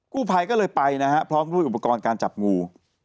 ผู้ภัยก็เลยไปนะฮะพร้อมด้วยอุปกรณ์การจับงู